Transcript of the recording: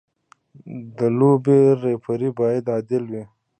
د لوبې ریفري باید عادل وي.